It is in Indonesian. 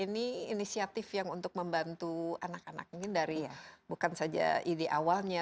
ini inisiatif yang untuk membantu anak anak mungkin dari bukan saja ide awalnya